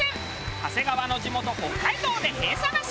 長谷川の地元北海道でへぇ探し！